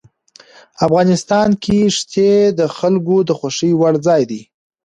افغانستان کې ښتې د خلکو د خوښې وړ ځای دی.